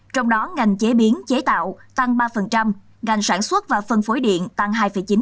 trong đó ngành chế biến chế tạo tăng ba ngành sản xuất và phân phối điện tăng hai chín